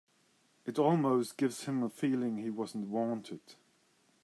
It almost gives him a feeling he wasn't wanted.